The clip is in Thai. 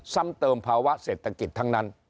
ซ้ำเติมภาวะเศรษฐกิจทั้งนั้น